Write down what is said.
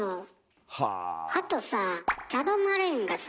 あとさぁチャド・マレーンがさ